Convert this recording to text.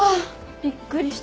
びっくりした。